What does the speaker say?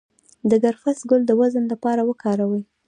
د کرفس ګل د وزن لپاره وکاروئ